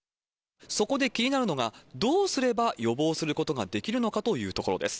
そこで気になるのが、どうすれば予防することができるのかというところです。